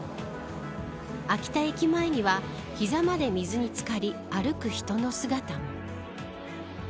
秋田駅前には膝まで水に漬かり歩く人の姿も。